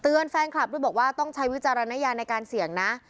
แฟนคลับด้วยบอกว่าต้องใช้วิจารณญาณในการเสี่ยงนะ